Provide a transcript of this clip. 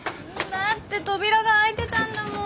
だって扉が開いてたんだもん。